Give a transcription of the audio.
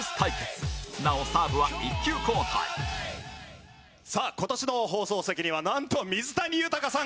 なおサーブは１球交代さあ今年の放送席にはなんと水谷豊さんが！